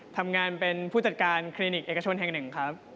ทำงานเป็นผู้จัดการคลินิกเอกชนแห่งหนึ่งครับ